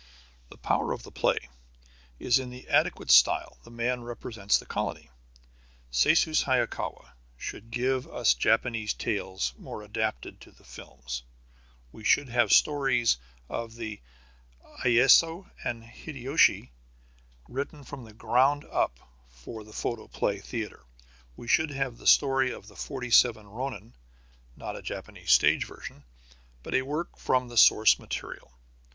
The power of the play is in the adequate style the man represents the colony. Sessue Hayakawa should give us Japanese tales more adapted to the films. We should have stories of Iyeyasu and Hideyoshi, written from the ground up for the photoplay theatre. We should have the story of the Forty seven Ronin, not a Japanese stage version, but a work from the source material.